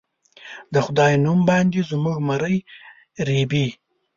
د خدای نوم باندې زموږه مرۍ رېبي